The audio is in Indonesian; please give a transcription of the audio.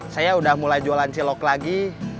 saya udah mulai jualan cilok lagi